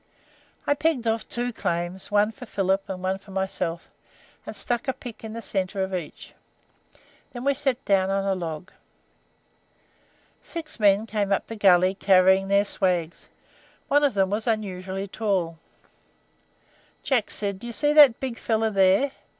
I pegged off two claims, one for Philip, and one for myself, and stuck a pick in the centre of each. Then we sat down on a log. Six men came up the gully carrying their swags, one of them was unusually tall. Jack said: "Do you see that big fellow there?